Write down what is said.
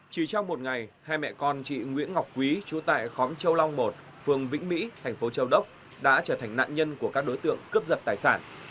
chỉ trong một ngày hai mẹ con chị nguyễn ngọc quý chú tại khóm châu long một phường vĩnh mỹ thành phố châu đốc đã trở thành nạn nhân của các đối tượng cướp giật tài sản